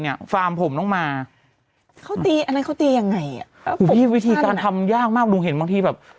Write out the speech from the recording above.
ดิฝันมีการทำยากมากดูเห็นบางทีแบบ